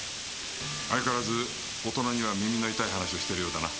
相変わらず大人には耳の痛い話をしてるようだな。